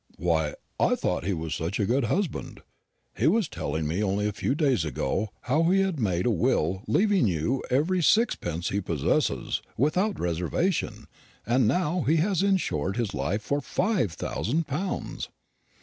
"Why, I thought he was such a good husband. He was telling me only a few days ago how he had made a will leaving you every sixpence he possesses, without reservation, and how he has insured his life for five thousand pounds."